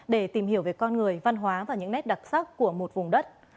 để tìm hiểu về con người văn hóa và những nét đặc sắc của một vùng đất